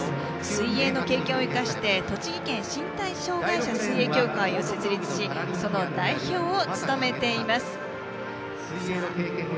水泳の経験を生かして栃木県身体障害者水泳協会を設立し、その代表を務めています。